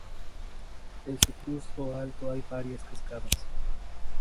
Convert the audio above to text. En su curso alto hay varias cascadas.